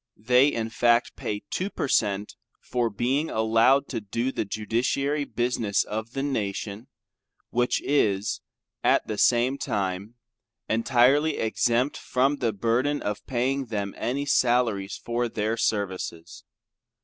they in fact pay two per Ct. for being allowed to do the Judiciary business of the Nation, which is at the same time entirely exempt from the burden of paying them any salaries for their services.